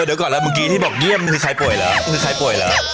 เดี๋ยวก่อนแล้วเมื่อกี้ที่บอกเยี่ยมคือใครป่วยแล้ว